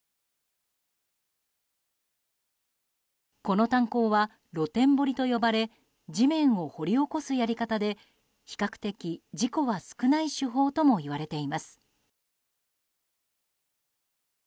この炭鉱は露天掘りと呼ばれ地面を掘り起こすやり方で比較的、事故は少ない手法ともいわれています。